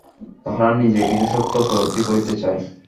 তাহারা নিজে কিছু সত্য উপলব্ধি করিতে চায়।